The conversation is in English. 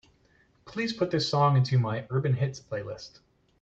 Please put this song onto my Urban Hits playlist.